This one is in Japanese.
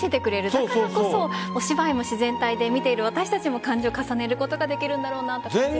だからこそお芝居も自然体で見ている私たちも感情を重ねることができるんだと感じました。